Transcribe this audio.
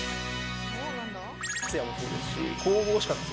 つやもそうですし、神々しかったです、